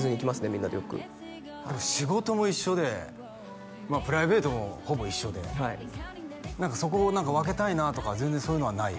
みんなでよく仕事も一緒でプライベートもほぼ一緒で何かそこを分けたいなとか全然そういうのはない？